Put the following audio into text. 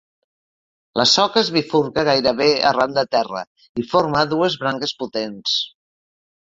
La soca es bifurca gairebé arran de terra i forma dues branques potents.